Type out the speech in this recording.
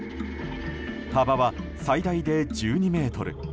幅は最大で１２ｍ。